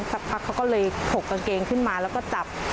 สักพักเขาก็เลยถกกางเกงขึ้นมาแล้วก็จับ